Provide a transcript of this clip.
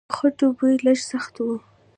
د خټو بوی لږ سخت و.